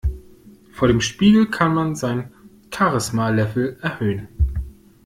Vor dem Spiegel kann man sein Charisma-Level erhöhen.